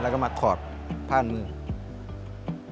แล้วก็มาถอดผ้านมือ